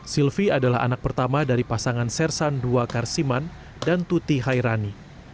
silvi adalah anak pertama dari pasangan sersan ii karsiman dan tuti hairani